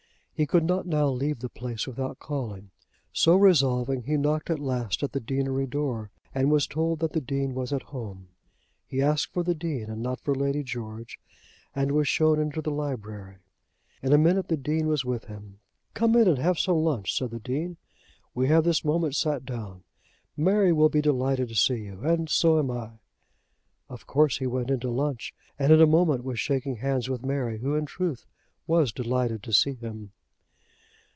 He could not now leave the place without calling. So resolving he knocked at last at the deanery door, and was told that the Dean was at home. He asked for the Dean, and not for Lady George, and was shown into the library. In a minute the Dean was with him. "Come in and have some lunch," said the Dean. "We have this moment sat down. Mary will be delighted to see you, and so am I." Of course he went in to lunch, and in a moment was shaking hands with Mary, who in truth was delighted to see him.